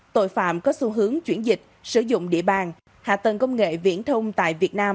tội phạm có xu hướng chuyển dịch sử dụng địa bàn hạ tầng công nghệ viễn thông tại việt nam